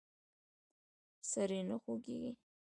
ایا سر یې نه خوږیږي؟